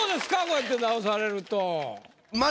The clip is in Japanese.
こうやって直されると。